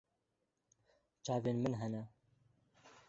Çavên min hene.